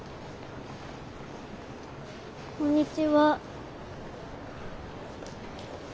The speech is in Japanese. こんにちは。